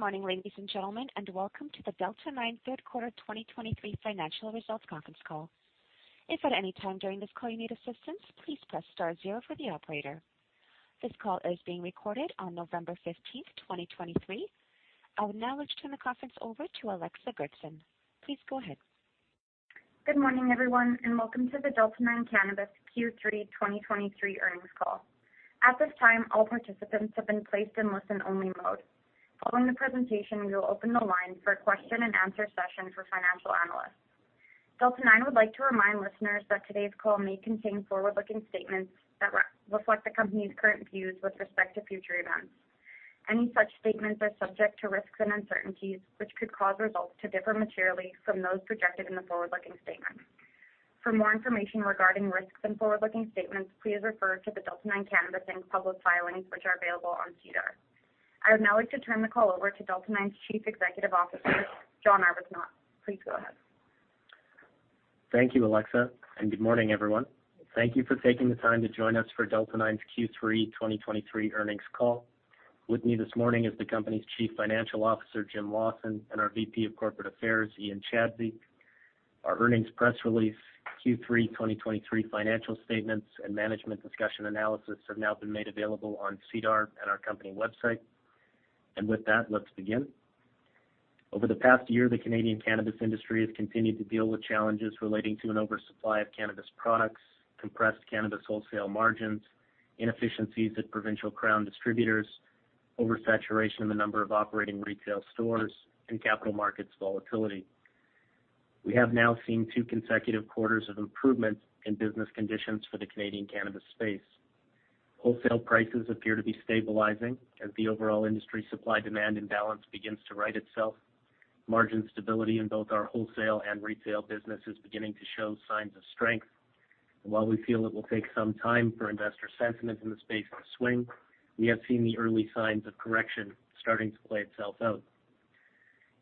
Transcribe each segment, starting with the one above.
Good morning, ladies and gentlemen, and welcome to the Delta 9 Third Quarter 2023 Financial Results Conference Call. If at any time during this call you need assistance, please press star zero for the operator. This call is being recorded on November 15th, 2023. I would now like to turn the conference over to Alexa Goertzen. Please go ahead. Good morning, everyone, and welcome to the Delta 9 Cannabis Q3 2023 earnings call. At this time, all participants have been placed in listen-only mode. Following the presentation, we will open the line for a question-and-answer session for financial analysts. Delta 9 would like to remind listeners that today's call may contain forward-looking statements that reflect the company's current views with respect to future events. Any such statements are subject to risks and uncertainties, which could cause results to differ materially from those projected in the forward-looking statements. For more information regarding risks and forward-looking statements, please refer to the Delta 9 Cannabis Inc. public filings, which are available on SEDAR. I would now like to turn the call over to Delta 9's Chief Executive Officer, John Arbuthnot. Please go ahead. Thank you, Alexa, and good morning, everyone. Thank you for taking the time to join us for Delta 9's Q3 2023 earnings call. With me this morning is the company's Chief Financial Officer, Jim Lawson, and our VP of Corporate Affairs, Ian Chadsey. Our earnings press release, Q3 2023 financial statements, and Management's Discussion and Analysis have now been made available on SEDAR at our company website. With that, let's begin. Over the past year, the Canadian cannabis industry has continued to deal with challenges relating to an oversupply of cannabis products, compressed cannabis wholesale margins, inefficiencies at provincial crown distributors, oversaturation in the number of operating retail stores, and capital markets volatility. We have now seen two consecutive quarters of improvement in business conditions for the Canadian cannabis space. Wholesale prices appear to be stabilizing as the overall industry supply-demand imbalance begins to right itself. Margin stability in both our wholesale and retail business is beginning to show signs of strength. While we feel it will take some time for investor sentiment in the space to swing, we have seen the early signs of correction starting to play itself out.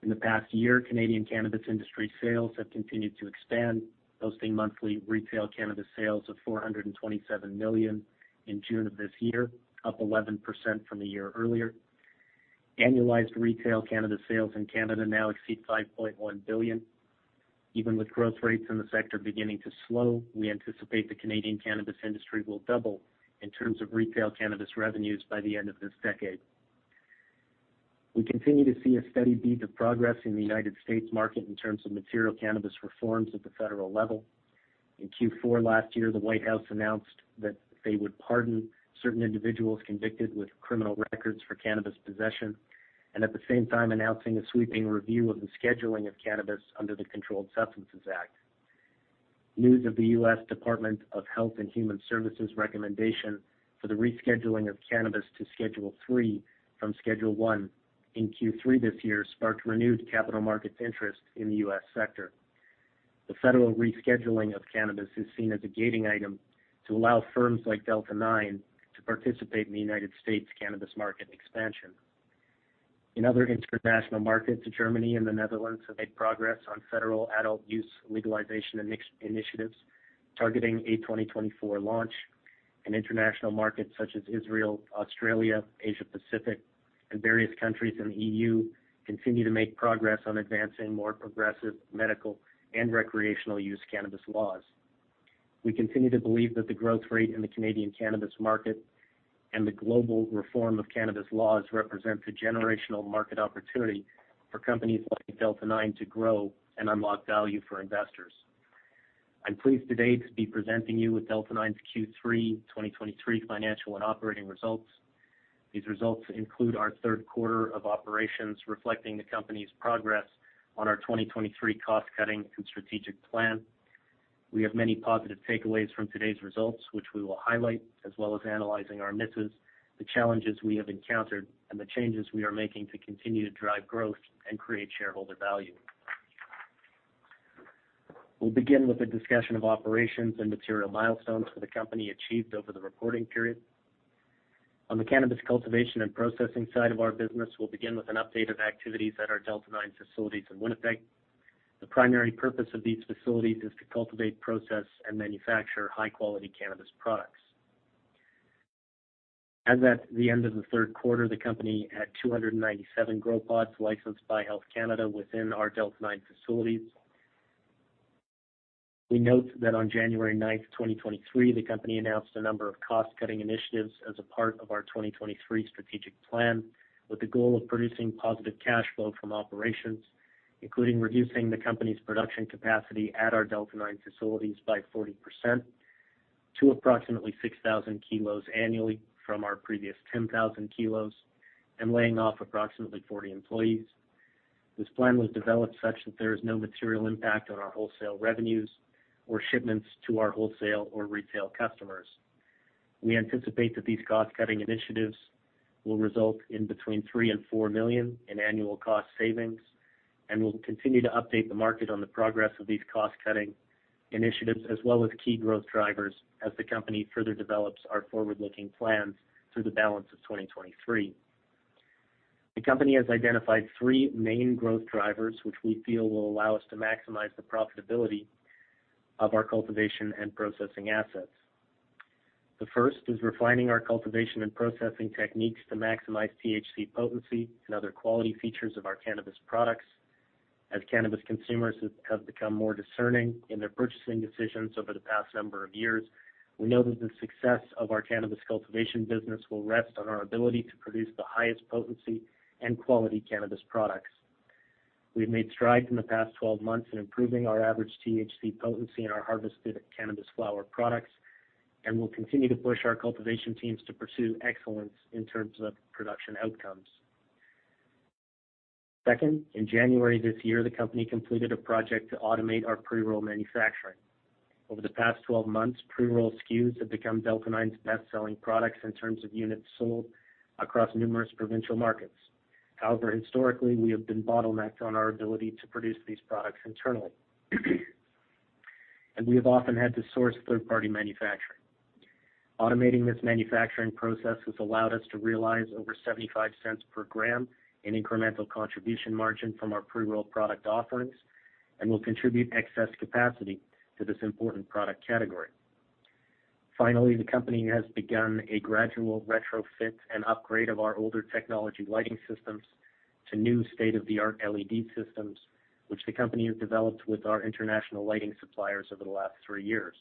In the past year, Canadian cannabis industry sales have continued to expand, posting monthly retail cannabis sales of 427 million in June of this year, up 11% from the year earlier. Annualized retail cannabis sales in Canada now exceed 5.1 billion. Even with growth rates in the sector beginning to slow, we anticipate the Canadian cannabis industry will double in terms of retail cannabis revenues by the end of this decade. We continue to see a steady beat of progress in the United States market in terms of material cannabis reforms at the federal level. In Q4 last year, the White House announced that they would pardon certain individuals convicted with criminal records for cannabis possession, and at the same time announcing a sweeping review of the scheduling of cannabis under the Controlled Substances Act. News of the U.S. Department of Health and Human Services recommendation for the rescheduling of cannabis to Schedule III from Schedule I in Q3 this year, sparked renewed capital market interest in the U.S. sector. The federal rescheduling of cannabis is seen as a gating item to allow firms like Delta 9 to participate in the United States cannabis market expansion. In other international markets, Germany and the Netherlands have made progress on federal adult use, legalization, and initiatives, targeting a 2024 launch. International markets such as Israel, Australia, Asia Pacific, and various countries in the EU continue to make progress on advancing more progressive medical and recreational use cannabis laws. We continue to believe that the growth rate in the Canadian cannabis market and the global reform of cannabis laws represent a generational market opportunity for companies like Delta 9 to grow and unlock value for investors. I'm pleased today to be presenting you with Delta 9's Q3 2023 financial and operating results. These results include our third quarter of operations, reflecting the company's progress on our 2023 cost-cutting and strategic plan. We have many positive takeaways from today's results, which we will highlight, as well as analyzing our misses, the challenges we have encountered, and the changes we are making to continue to drive growth and create shareholder value. We'll begin with a discussion of operations and material milestones for the company achieved over the reporting period. On the cannabis cultivation and processing side of our business, we'll begin with an update of activities at our Delta 9 facilities in Winnipeg. The primary purpose of these facilities is to cultivate, process, and manufacture high-quality cannabis products. As at the end of the third quarter, the company had 297 GrowPods licensed by Health Canada within our Delta 9 facilities. We note that on January 9th, 2023, the company announced a number of cost-cutting initiatives as a part of our 2023 strategic plan, with the goal of producing positive cash flow from operations, including reducing the company's production capacity at our Delta 9 facilities by 40% to approximately 6,000 kilos annually from our previous 10,000 kilos, and laying off approximately 40 employees. This plan was developed such that there is no material impact on our wholesale revenues or shipments to our wholesale or retail customers. We anticipate that these cost-cutting initiatives will result in between 3 million and 4 million in annual cost savings, and we'll continue to update the market on the progress of these cost-cutting initiatives, as well as key growth drivers as the company further develops our forward-looking plans through the balance of 2023. The company has identified three main growth drivers, which we feel will allow us to maximize the profitability of our cultivation and processing assets. The first is refining our cultivation and processing techniques to maximize THC potency and other quality features of our cannabis products. As cannabis consumers have become more discerning in their purchasing decisions over the past number of years, we know that the success of our cannabis cultivation business will rest on our ability to produce the highest potency and quality cannabis products. We've made strides in the past 12 months in improving our average THC potency in our harvested cannabis flower products, and we'll continue to push our cultivation teams to pursue excellence in terms of production outcomes. Second, in January this year, the company completed a project to automate our pre-roll manufacturing. Over the past 12 months, pre-roll SKUs have become Delta 9's best-selling products in terms of units sold across numerous provincial markets. However, historically, we have been bottlenecked on our ability to produce these products internally, and we have often had to source third-party manufacturing. Automating this manufacturing process has allowed us to realize over 0.75 per gram in incremental contribution margin from our pre-roll product offerings and will contribute excess capacity to this important product category. Finally, the company has begun a gradual retrofit and upgrade of our older technology lighting systems to new state-of-the-art LED systems, which the company has developed with our international lighting suppliers over the last three years.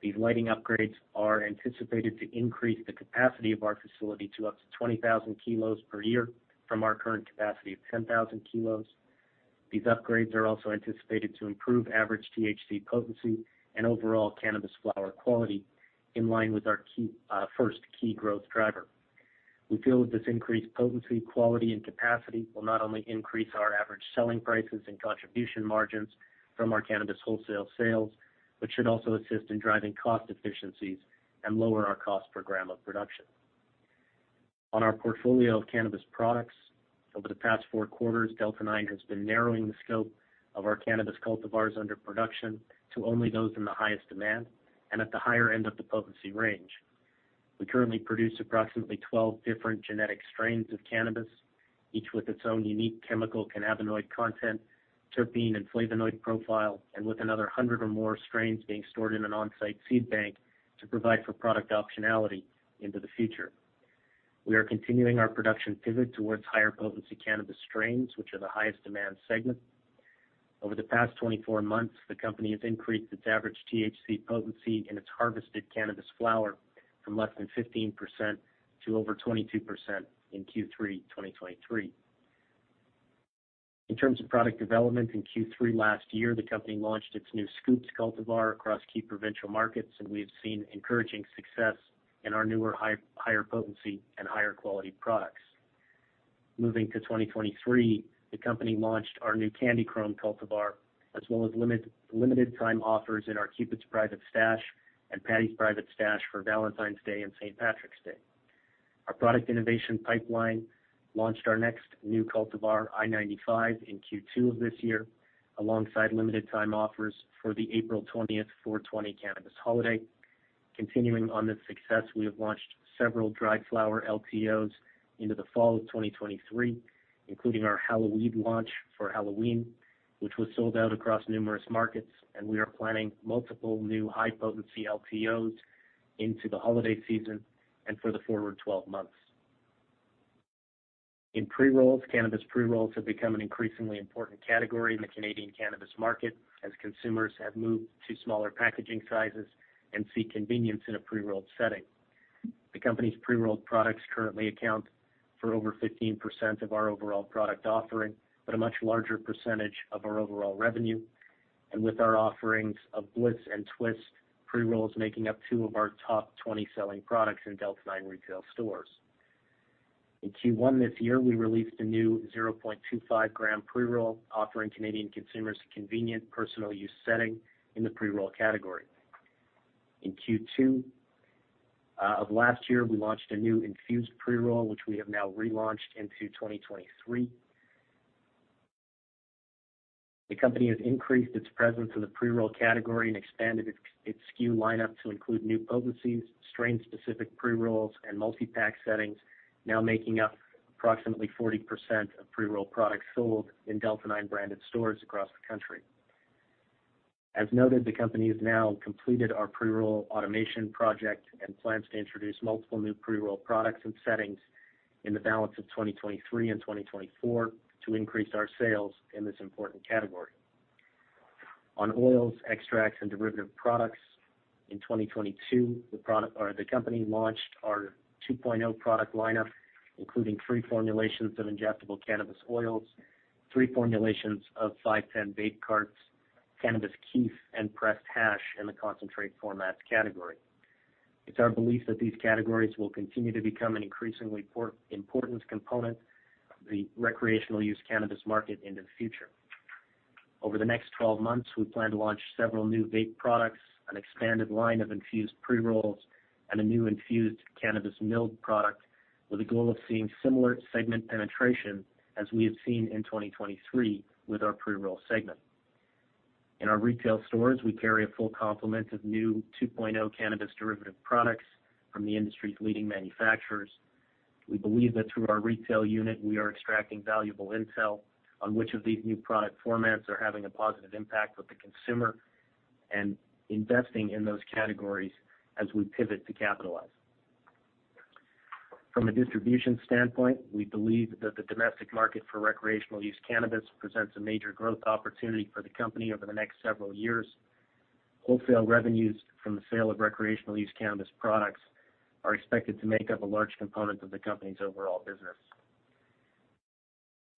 These lighting upgrades are anticipated to increase the capacity of our facility to up to 20,000 kg per year from our current capacity of 10,000 kg. These upgrades are also anticipated to improve average THC potency and overall cannabis flower quality, in line with our key, first key growth driver. We feel that this increased potency, quality, and capacity will not only increase our average selling prices and contribution margins from our cannabis wholesale sales, but should also assist in driving cost efficiencies and lower our cost per gram of production. On our portfolio of cannabis products, over the past four quarters, Delta 9 has been narrowing the scope of our cannabis cultivars under production to only those in the highest demand and at the higher end of the potency range. We currently produce approximately 12 different genetic strains of cannabis, each with its own unique chemical cannabinoid content, terpene, and flavonoid profile, and with another 100 or more strains being stored in an on-site seed bank to provide for product optionality into the future. We are continuing our production pivot towards higher-potency cannabis strains, which are the highest demand segment. Over the past 24 months, the company has increased its average THC potency in its harvested cannabis flower from less than 15% to over 22% in Q3 2023. In terms of product development, in Q3 last year, the company launched its new Scoops cultivar across key provincial markets, and we have seen encouraging success in our newer higher potency and higher quality products. Moving to 2023, the company launched our new Candy Chrome cultivar, as well as limited time offers in our Cupid's Private Stash and Paddy's Private Stash for Valentine's Day and St. Patrick's Day. Our product innovation pipeline launched our next new cultivar, I-95, in Q2 of this year, alongside limited time offers for the April 20th, 420 cannabis holiday. Continuing on this success, we have launched several dried flower LTOs into the fall of 2023, including our Halloweed launch for Halloween, which was sold out across numerous markets, and we are planning multiple new high-potency LTOs into the holiday season and for the forward twelve months. In pre-rolls, cannabis pre-rolls have become an increasingly important category in the Canadian cannabis market, as consumers have moved to smaller packaging sizes and seek convenience in a pre-rolled setting. The company's pre-rolled products currently account for over 15% of our overall product offering, but a much larger percentage of our overall revenue, and with our offerings of Blitz and Twist pre-rolls making up two of our top 20 selling products in Delta 9 retail stores. In Q1 this year, we released a new 0.25 gram pre-roll, offering Canadian consumers a convenient personal use setting in the pre-roll category. In Q2 of last year, we launched a new infused pre-roll, which we have now relaunched into 2023. The company has increased its presence in the pre-roll category and expanded its SKU lineup to include new potencies, strain-specific pre-rolls, and multi-pack settings, now making up approximately 40% of pre-roll products sold in Delta 9 branded stores across the country. As noted, the company has now completed our pre-roll automation project and plans to introduce multiple new pre-roll products and settings in the balance of 2023 and 2024 to increase our sales in this important category. On oils, extracts, and derivative products, in 2022, the product or the company launched our 2.0 product lineup, including three formulations of injectable cannabis oils, three formulations of 510 vape carts, cannabis kief, and pressed hash in the concentrate formats category. It's our belief that these categories will continue to become an increasingly important component of the recreational use cannabis market into the future. Over the next 12 months, we plan to launch several new vape products, an expanded line of infused pre-rolls, and a new infused cannabis milled product, with a goal of seeing similar segment penetration as we have seen in 2023 with our pre-roll segment. In our retail stores, we carry a full complement of new 2.0 cannabis derivative products from the industry's leading manufacturers. We believe that through our retail unit, we are extracting valuable intel on which of these new product formats are having a positive impact with the consumer, and investing in those categories as we pivot to capitalize. From a distribution standpoint, we believe that the domestic market for recreational use cannabis presents a major growth opportunity for the company over the next several years. Wholesale revenues from the sale of recreational use cannabis products are expected to make up a large component of the company's overall business.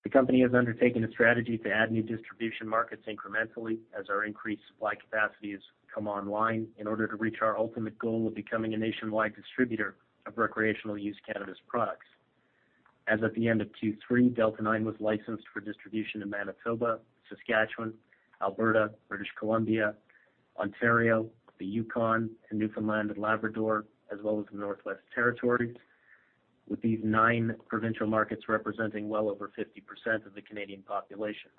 The company has undertaken a strategy to add new distribution markets incrementally as our increased supply capacities come online, in order to reach our ultimate goal of becoming a nationwide distributor of recreational use cannabis products. As at the end of Q3, Delta 9 was licensed for distribution in Manitoba, Saskatchewan, Alberta, British Columbia, Ontario, the Yukon, and Newfoundland and Labrador, as well as the Northwest Territories, with these nine provincial markets representing well over 50% of the Canadian population.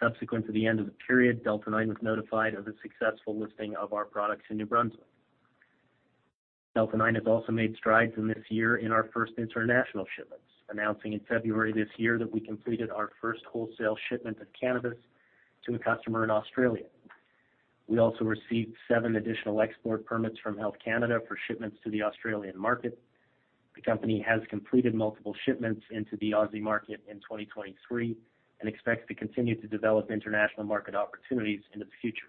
Subsequent to the end of the period, Delta 9 was notified of the successful listing of our products in New Brunswick. Delta 9 has also made strides in this year in our first international shipments, announcing in February this year that we completed our first wholesale shipment of cannabis to a customer in Australia. We also received seven additional export permits from Health Canada for shipments to the Australian market. The company has completed multiple shipments into the Aussie market in 2023, and expects to continue to develop international market opportunities into the future.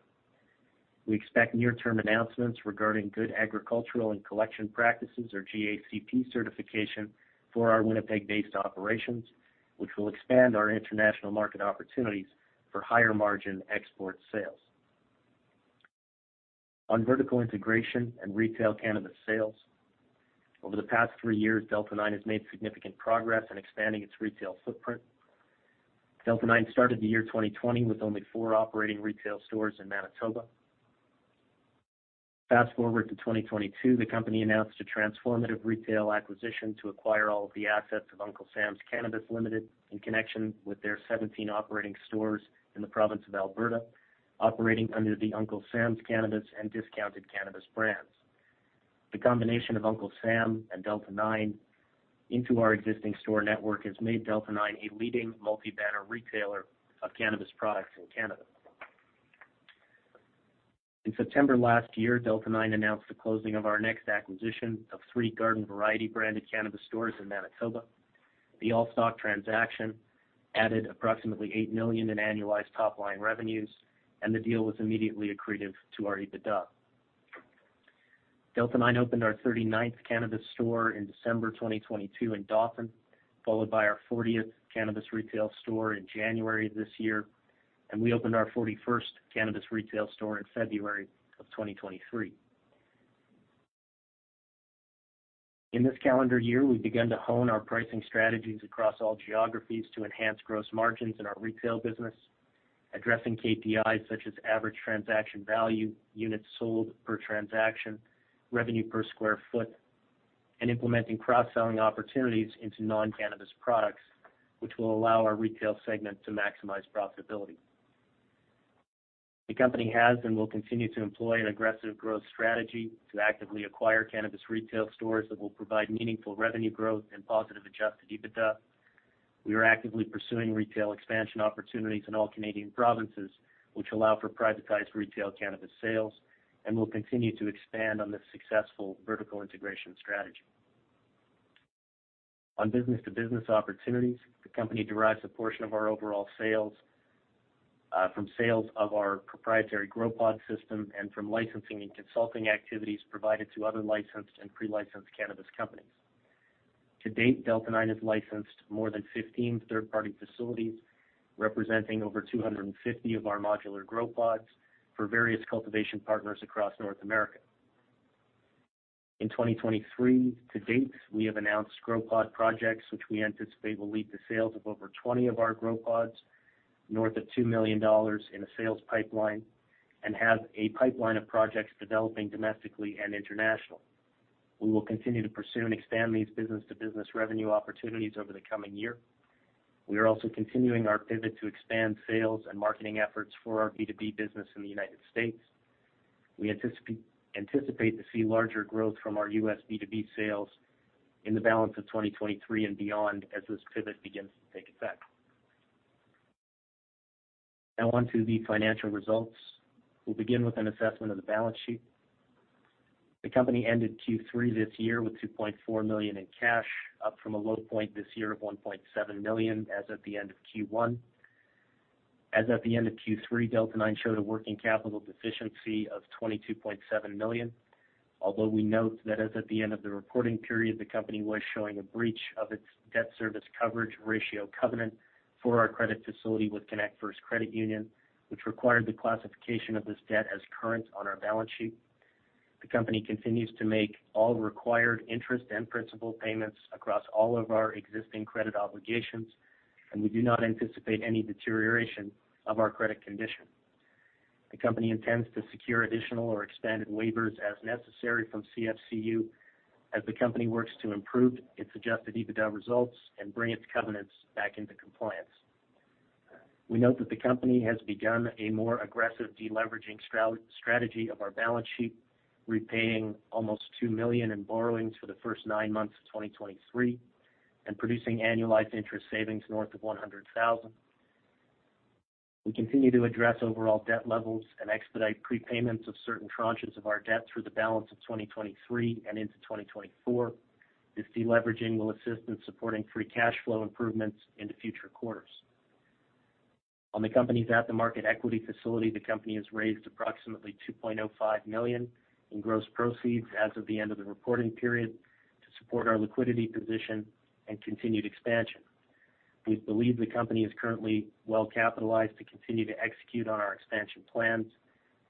We expect near-term announcements regarding Good Agricultural and Collection Practices, or GACP certification, for our Winnipeg-based operations, which will expand our international market opportunities for higher-margin export sales. On vertical integration and retail cannabis sales, over the past three years, Delta 9 has made significant progress in expanding its retail footprint. Delta 9 started the year 2020 with only four operating retail stores in Manitoba. Fast-forward to 2022, the company announced a transformative retail acquisition to acquire all of the assets of Uncle Sam's Cannabis Limited, in connection with their 17 operating stores in the province of Alberta, operating under the Uncle Sam's Cannabis and Discounted Cannabis brands. The combination of Uncle Sam and Delta 9 into our existing store network has made Delta 9 a leading multi-banner retailer of cannabis products in Canada. In September last year, Delta 9 announced the closing of our next acquisition of three Garden Variety branded cannabis stores in Manitoba. The all-stock transaction added approximately 8 million in annualized top-line revenues, and the deal was immediately accretive to our EBITDA. Delta 9 opened our 39th cannabis store in December 2022 in Dauphin, followed by our 40th cannabis retail store in January this year, and we opened our 41st cannabis retail store in February of 2023. In this calendar year, we began to hone our pricing strategies across all geographies to enhance gross margins in our retail business, addressing KPIs such as average transaction value, units sold per transaction, revenue per square foot, and implementing cross-selling opportunities into non-cannabis products, which will allow our retail segment to maximize profitability. The company has and will continue to employ an aggressive growth strategy to actively acquire cannabis retail stores that will provide meaningful revenue growth and positive Adjusted EBITDA. We are actively pursuing retail expansion opportunities in all Canadian provinces, which allow for privatized retail cannabis sales, and will continue to expand on this successful vertical integration strategy. On business-to-business opportunities, the company derives a portion of our overall sales from sales of our proprietary GrowPod system and from licensing and consulting activities provided to other licensed and pre-licensed cannabis companies. To date, Delta 9 has licensed more than 15 third-party facilities, representing over 250 of our modular GrowPods, for various cultivation partners across North America. In 2023 to date, we have announced GrowPod projects, which we anticipate will lead to sales of over 20 of our GrowPods, north of 2 million dollars in a sales pipeline, and have a pipeline of projects developing domestically and international. We will continue to pursue and expand these business-to-business revenue opportunities over the coming year. We are also continuing our pivot to expand sales and marketing efforts for our B2B business in the United States. We anticipate to see larger growth from our U.S. B2B sales in the balance of 2023 and beyond, as this pivot begins to take effect. Now on to the financial results. We'll begin with an assessment of the balance sheet. The company ended Q3 this year with 2.4 million in cash, up from a low point this year of 1.7 million, as at the end of Q1. As at the end of Q3, Delta 9 showed a working capital deficiency of 22.7 million. Although we note that as at the end of the reporting period, the company was showing a breach of its Debt Service Coverage Ratio covenant for our credit facility with Connect First Credit Union, which required the classification of this debt as current on our balance sheet. The company continues to make all required interest and principal payments across all of our existing credit obligations, and we do not anticipate any deterioration of our credit condition. The company intends to secure additional or expanded waivers as necessary from CFCU, as the company works to improve its Adjusted EBITDA results and bring its covenants back into compliance. We note that the company has begun a more aggressive deleveraging strategy of our balance sheet, repaying almost 2 million in borrowings for the first nine months of 2023, and producing annualized interest savings north of 100,000. We continue to address overall debt levels and expedite prepayments of certain tranches of our debt through the balance of 2023 and into 2024. This deleveraging will assist in supporting free cash flow improvements into future quarters. On the company's at-the-market equity facility, the company has raised approximately 2.05 million in gross proceeds as of the end of the reporting period, to support our liquidity position and continued expansion. We believe the company is currently well capitalized to continue to execute on our expansion plans,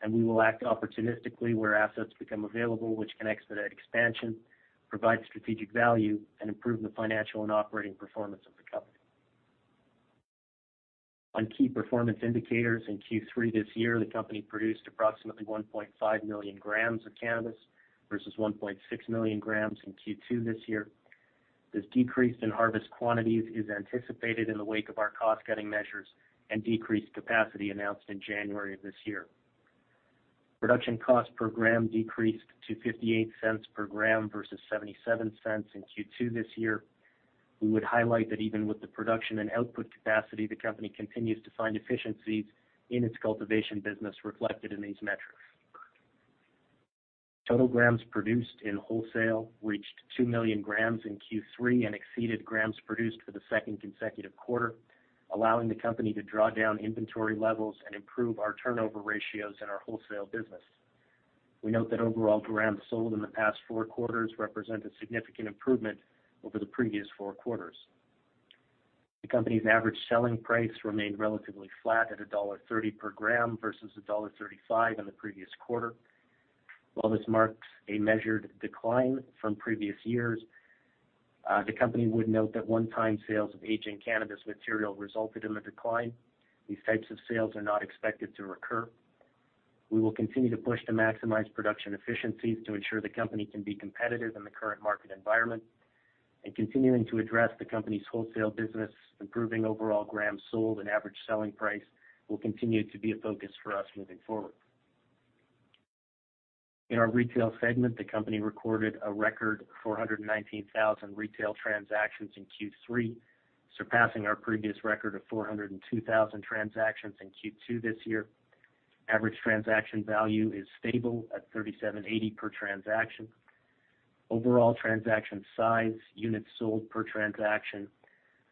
and we will act opportunistically where assets become available, which can expedite expansion, provide strategic value, and improve the financial and operating performance of the company. On key performance indicators, in Q3 this year, the company produced approximately 1.5 million grams of cannabis versus 1.6 million grams in Q2 this year. This decrease in harvest quantities is anticipated in the wake of our cost-cutting measures and decreased capacity announced in January of this year. Production cost per gram decreased to 0.58 per gram versus 0.77 in Q2 this year. We would highlight that even with the production and output capacity, the company continues to find efficiencies in its cultivation business reflected in these metrics. Total grams produced in wholesale reached two million grams in Q3 and exceeded grams produced for the second consecutive quarter, allowing the company to draw down inventory levels and improve our turnover ratios in our wholesale business. We note that overall grams sold in the past four quarters represent a significant improvement over the previous four quarters. The company's average selling price remained relatively flat at dollar 1.30 per gram versus dollar 1.35 in the previous quarter. While this marks a measured decline from previous years, the company would note that one-time sales of aging cannabis material resulted in the decline. These types of sales are not expected to recur. We will continue to push to maximize production efficiencies to ensure the company can be competitive in the current market environment. Continuing to address the company's wholesale business, improving overall grams sold and average selling price will continue to be a focus for us moving forward. In our retail segment, the company recorded a record 419,000 retail transactions in Q3, surpassing our previous record of 402,000 transactions in Q2 this year. Average transaction value is stable at 37.80 per transaction. Overall transaction size, units sold per transaction,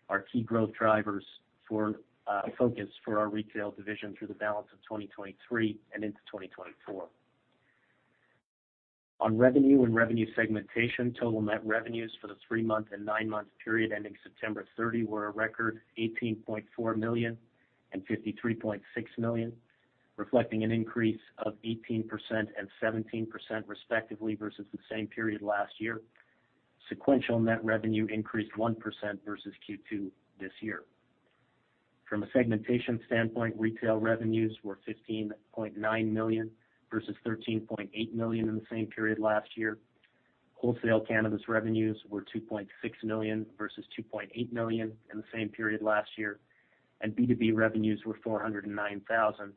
are key growth drivers for, a focus for our retail division through the balance of 2023 and into 2024. On revenue and revenue segmentation, total net revenues for the three-month and nine-month period ending September 30 were a record 18.4 million and 53.6 million, reflecting an increase of 18% and 17% respectively versus the same period last year. Sequential net revenue increased 1% versus Q2 this year. From a segmentation standpoint, retail revenues were 15.9 million, versus 13.8 million in the same period last year. Wholesale cannabis revenues were 2.6 million, versus 2.8 million in the same period last year, and B2B revenues were 409,000,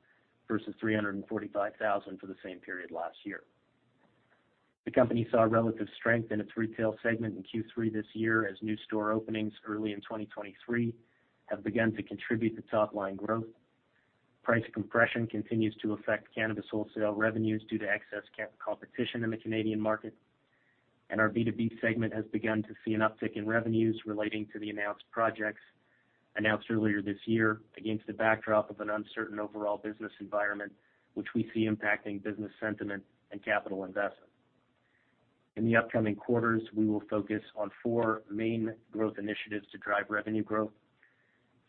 versus 345,000 for the same period last year. The company saw relative strength in its retail segment in Q3 this year, as new store openings early in 2023 have begun to contribute to top-line growth. Price compression continues to affect cannabis wholesale revenues due to excess competition in the Canadian market. Our B2B segment has begun to see an uptick in revenues relating to the announced projects announced earlier this year, against the backdrop of an uncertain overall business environment, which we see impacting business sentiment and capital investment. In the upcoming quarters, we will focus on four main growth initiatives to drive revenue growth.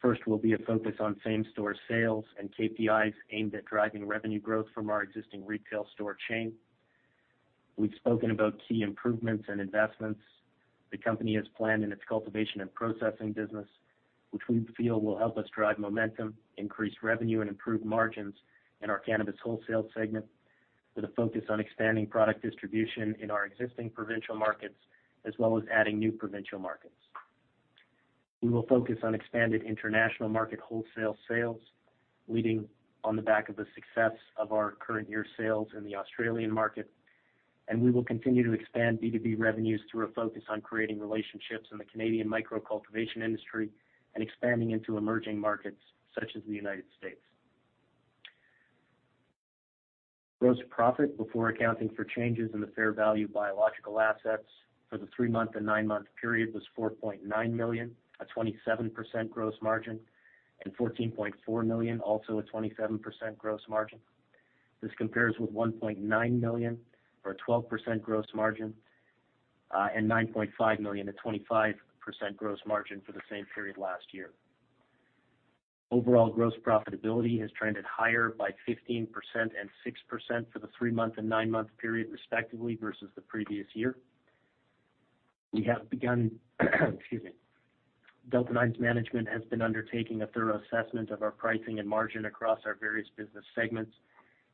First will be a focus on same-store sales and KPIs aimed at driving revenue growth from our existing retail store chain. We've spoken about key improvements and investments the company has planned in its cultivation and processing business, which we feel will help us drive momentum, increase revenue, and improve margins in our cannabis wholesale segment, with a focus on expanding product distribution in our existing provincial markets, as well as adding new provincial markets. We will focus on expanded international market wholesale sales, leading on the back of the success of our current year sales in the Australian market, and we will continue to expand B2B revenues through a focus on creating relationships in the Canadian micro-cultivation industry and expanding into emerging markets such as the United States. Gross profit, before accounting for changes in the fair value of biological assets for the three-month and nine-month period, was 4.9 million, a 27% gross margin, and 14.4 million, also a 27% gross margin. This compares with 1.9 million, or a 12% gross margin, and 9.5 million, a 25% gross margin for the same period last year. Overall, gross profitability has trended higher by 15% and 6% for the three-month and nine-month period, respectively, versus the previous year. We have begun, excuse me. Delta 9's management has been undertaking a thorough assessment of our pricing and margin across our various business segments,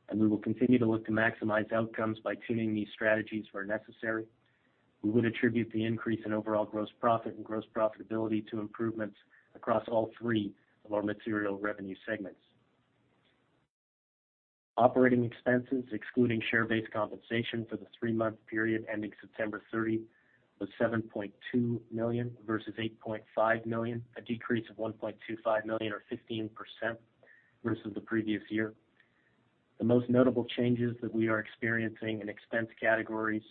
and we will continue to look to maximize outcomes by tuning these strategies where necessary. We would attribute the increase in overall gross profit and gross profitability to improvements across all three of our material revenue segments. Operating expenses, excluding share-based compensation for the three-month period ending September 30, was 7.2 million versus 8.5 million, a decrease of 1.25 million or 15% versus the previous year. The most notable changes that we are experiencing in expense categories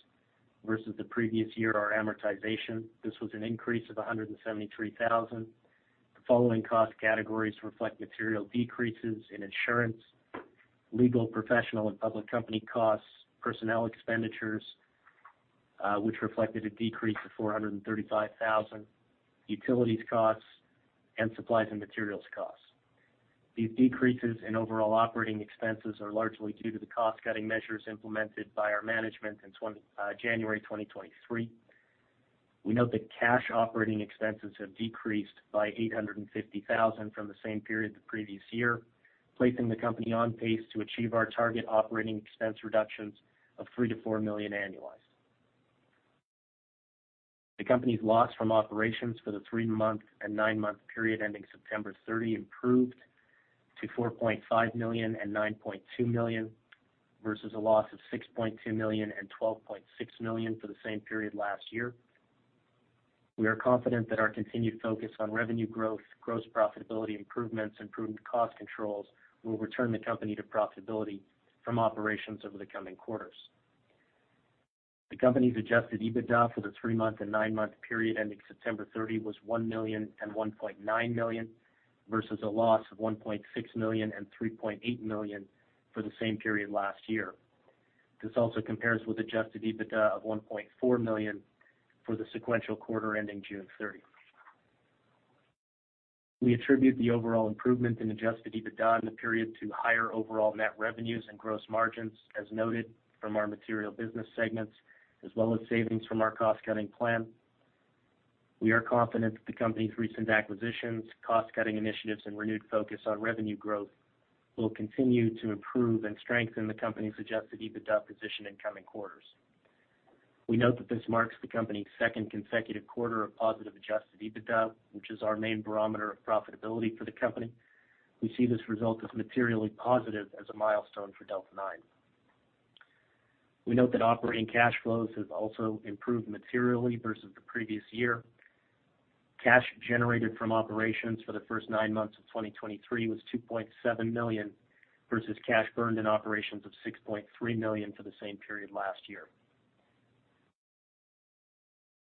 versus the previous year are amortization. This was an increase of 173,000. The following cost categories reflect material decreases in insurance, legal, professional, and public company costs, personnel expenditures, which reflected a decrease of 435,000, utilities costs, and supplies and materials costs. These decreases in overall operating expenses are largely due to the cost-cutting measures implemented by our management in January 2023. We note that cash operating expenses have decreased by 850,000 from the same period the previous year, placing the company on pace to achieve our target operating expense reductions of 3-4 million annualized. The company's loss from operations for the three-month and nine-month period ending September 30 improved to 4.5 million and 9.2 million, versus a loss of 6.2 million and 12.6 million for the same period last year. We are confident that our continued focus on revenue growth, gross profitability improvements, improved cost controls, will return the company to profitability from operations over the coming quarters. The company's Adjusted EBITDA for the three-month and nine-month period ending September 30, was 1 million and 1.9 million, versus a loss of 1.6 million and 3.8 million for the same period last year. This also compares with Adjusted EBITDA of 1.4 million for the sequential quarter ending June 30. We attribute the overall improvement in Adjusted EBITDA in the period to higher overall net revenues and gross margins, as noted from our material business segments, as well as savings from our cost-cutting plan. We are confident that the company's recent acquisitions, cost-cutting initiatives, and renewed focus on revenue growth, will continue to improve and strengthen the company's Adjusted EBITDA position in coming quarters. We note that this marks the company's second consecutive quarter of positive Adjusted EBITDA, which is our main barometer of profitability for the company. We see this result as materially positive as a milestone for Delta 9. We note that operating cash flows have also improved materially versus the previous year. Cash generated from operations for the first nine months of 2023 was 2.7 million, versus cash burned in operations of 6.3 million for the same period last year.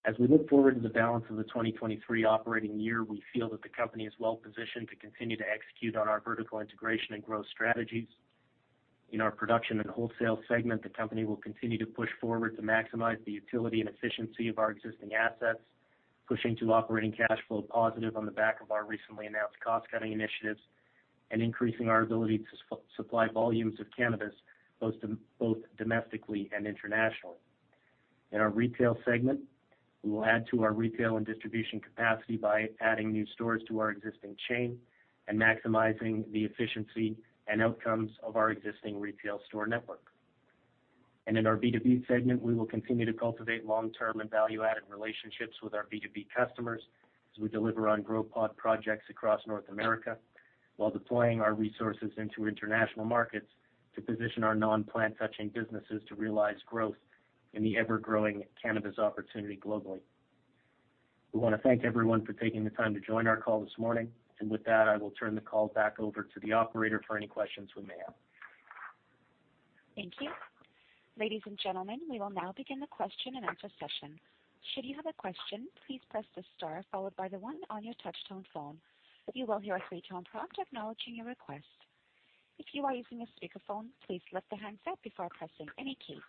As we look forward to the balance of the 2023 operating year, we feel that the company is well positioned to continue to execute on our vertical integration and growth strategies. In our production and wholesale segment, the company will continue to push forward to maximize the utility and efficiency of our existing assets, pushing to operating cash flow positive on the back of our recently announced cost-cutting initiatives, and increasing our ability to supply volumes of cannabis, both domestically and internationally. In our retail segment, we will add to our retail and distribution capacity by adding new stores to our existing chain and maximizing the efficiency and outcomes of our existing retail store network. In our B2B segment, we will continue to cultivate long-term and value-added relationships with our B2B customers, as we deliver on GrowPod projects across North America, while deploying our resources into international markets to position our non-plant-touching businesses to realize growth in the ever-growing cannabis opportunity globally. We want to thank everyone for taking the time to join our call this morning. With that, I will turn the call back over to the operator for any questions we may have. Thank you. Ladies and gentlemen, we will now begin the question-and-answer session. Should you have a question, please press the star followed by the one on your touchtone phone. You will hear a three-tone prompt acknowledging your request. If you are using a speakerphone, please lift the handset before pressing any keys.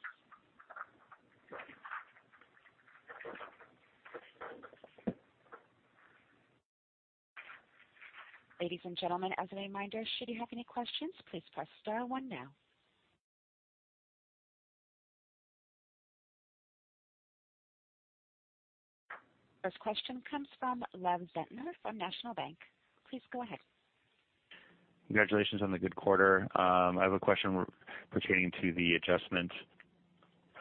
Ladies and gentlemen, as a reminder, should you have any questions, please press star one now. First question comes from Endri Leno from National Bank Financial. Please go ahead. Congratulations on the good quarter. I have a question pertaining to the adjustment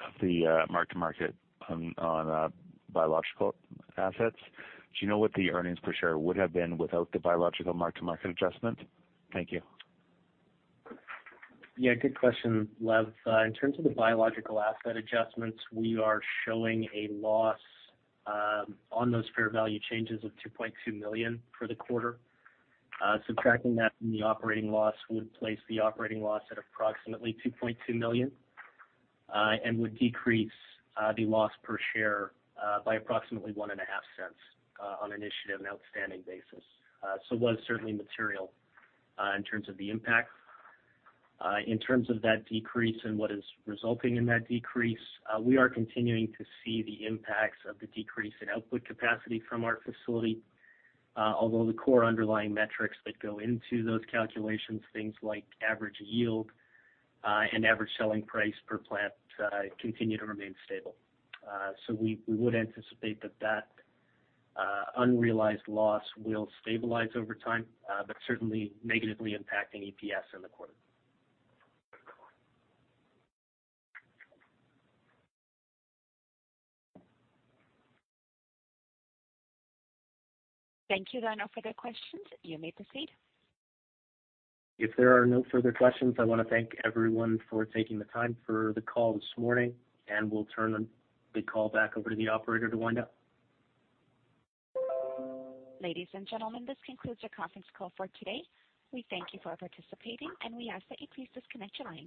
of the mark-to-market on biological assets. Do you know what the earnings per share would have been without the biological mark-to-market adjustment? Thank you. Yeah, good question, Endri Leno. In terms of the biological asset adjustments, we are showing a loss on those fair value changes of 2.2 million for the quarter. Subtracting that from the operating loss would place the operating loss at approximately 2.2 million, and would decrease the loss per share by approximately 0.015 on an issued and outstanding basis. So it was certainly material in terms of the impact. In terms of that decrease and what is resulting in that decrease, we are continuing to see the impacts of the decrease in output capacity from our facility, although the core underlying metrics that go into those calculations, things like average yield and average selling price per plant, continue to remain stable. We would anticipate that unrealized loss will stabilize over time, but certainly negatively impacting EPS in the quarter. Thank you. There are no further questions. You may proceed. If there are no further questions, I want to thank everyone for taking the time for the call this morning, and we'll turn the call back over to the operator to wind up. Ladies and gentlemen, this concludes your conference call for today. We thank you for participating, and we ask that you please disconnect your lines.